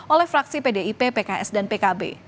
oleh fraksi pdip pks dan pkb